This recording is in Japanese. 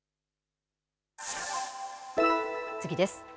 次です。